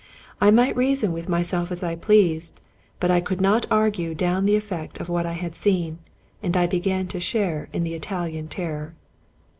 I might reason with myself as I pleased, but I could not argue down the eflFect of what I had seen, and I began to share in the Italian terror.